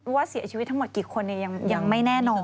ว่าเสียชีวิตทั้งหมดกี่คนยังไม่แน่นอน